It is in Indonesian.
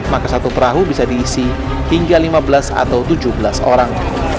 maka satu perahu bisa diisi hingga lima belas atau tujuh belas orang